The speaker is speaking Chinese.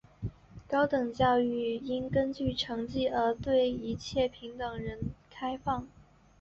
高等教育应根据成绩而对一切人平等开放。